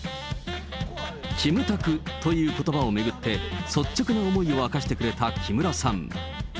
キムタクということばを巡って、率直な思いを明かしてくれた木村さん。